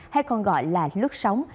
hay còn gọi là lướt sóng